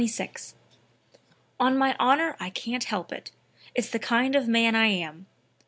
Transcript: "On my honor, I can't help it; it's the kind of man I am.